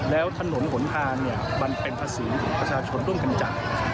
แล้วถนนหนทางเนี่ยมันเป็นภาษีของประชาชนร่วมกันจัด